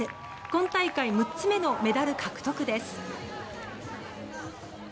今大会６つ目のメダル獲得です。